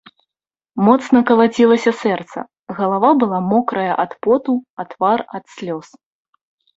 Моцна калацілася сэрца, галава была мокрая ад поту, а твар ад слёз.